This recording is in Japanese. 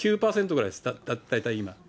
９％ぐらいです、大体今。